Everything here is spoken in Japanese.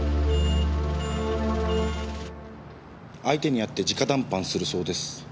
相手に会って直談判するそうです。